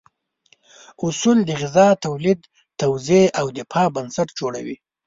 اصول د غذا تولید، توزیع او دفاع بنسټ جوړوي.